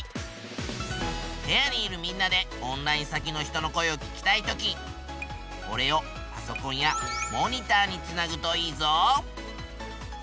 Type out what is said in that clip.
部屋にいるみんなでオンライン先の人の声を聞きたい時おれをパソコンやモニターにつなぐといいぞ。